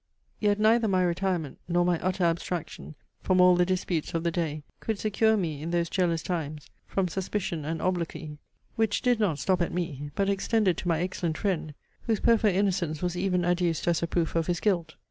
Yet neither my retirement nor my utter abstraction from all the disputes of the day could secure me in those jealous times from suspicion and obloquy, which did not stop at me, but extended to my excellent friend, whose perfect innocence was even adduced as a proof of his guilt.